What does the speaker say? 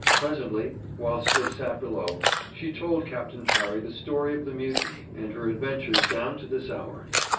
Presently, whilst they sat below, she told Captain Parry the story of the mutiny, and her adventures down to this hour.